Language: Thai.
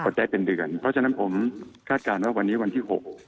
ก็ใช้เป็นเดือนเพราะฉะนั้นผมคาดการณ์ว่าวันนี้วันที่๖